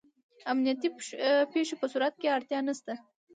د امنیتي پېښو په صورت کې اړتیا نشته.